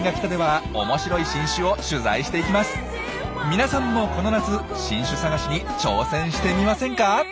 皆さんもこの夏新種探しに挑戦してみませんか？